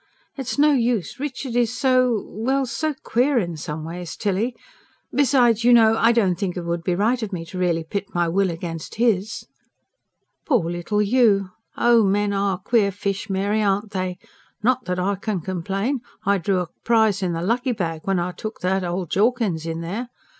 "It's no use. Richard is so ... well, so queer in some ways, Tilly. Besides, you know, I don't think it would be right of me to really pit my will against his." "Poor little you! Oh! men are queer fish, Mary, aren't they? Not that I can complain; I drew a prize in the lucky bag when I took that old Jawkins in there.